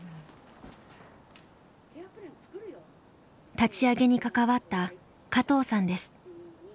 立ち上げに関わった加藤さんです。